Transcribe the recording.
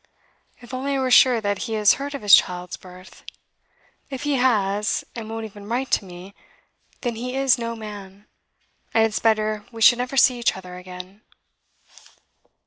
'If only I were sure that he has heard of his child's birth. If he has, and won't even write to me, then he is no man, and it's better we should never see each other again.